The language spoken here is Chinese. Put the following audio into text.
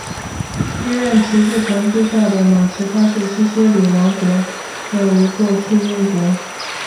医院骑士团治下的马耳他是西西里王国的一个附庸国。